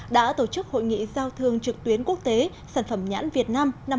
đã tổ chức hội nghị giao thương trực tuyến quốc tế sản phẩm nhãn việt nam năm hai nghìn hai mươi